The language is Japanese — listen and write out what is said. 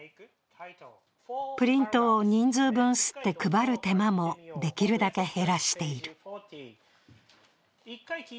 プリントを人数分刷って配る手間もできるだけ減らしている。